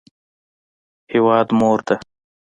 هیواد مور ده